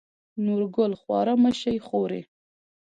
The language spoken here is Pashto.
نورګل: خواره مه شې خورې.